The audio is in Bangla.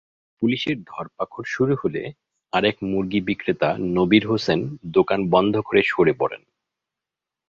পুলিশের ধরপাকড় শুরু হলে আরেক মুরগিবিক্রেতা নবীর হোসেন দোকান বন্ধ করে সরে পড়েন।